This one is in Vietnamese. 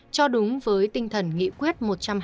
cho đúng với tinh thần nghị quyết một trăm hai mươi